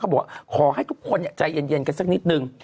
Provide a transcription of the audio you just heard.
เขาบอกขอให้ทุกคนใจเย็นกันสักนิดหนึ่ง